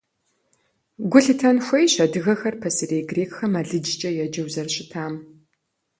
Гу лъытэн хуейщ адыгэхэр пасэрей грекхэм алыджкӀэ еджэу зэрыщытам.